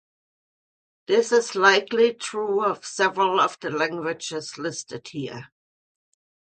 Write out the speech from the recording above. This is likely true of several of the languages listed here.